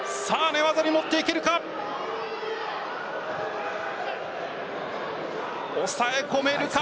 寝技に持っていけるか。